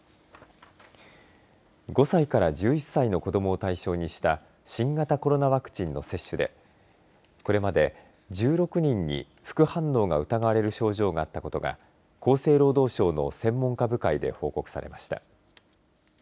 ５歳から１１歳の子ども対象にした新型コロナワクチンの接種でこれまで１６人に副反応が疑われる症状があったことが厚生労働省の専門家部会で報告されました。